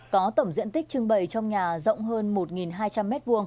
có tổng diện tích trưng bày trong nhà rộng hơn một hai trăm linh m hai